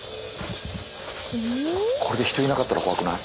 これで人いなかったら怖くない？